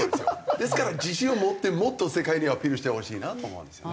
ですから自信を持ってもっと世界にアピールしてほしいなと思うんですよね。